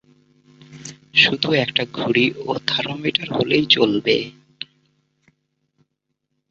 শুধু একটা ঘড়ি ও থার্মোমিটার হলেই চলবে।